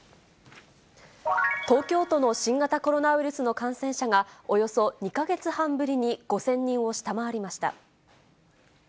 東京都の新型コロナウイルスの感染者が、およそ２か月半ぶりに５０００人を下回りました。